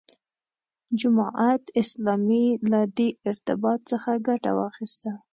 جماعت اسلامي له دې ارتباط څخه ګټه واخیسته.